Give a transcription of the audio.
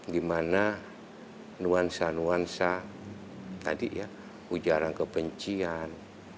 di mana nuansa nuansa tadi ya ujaran kebencian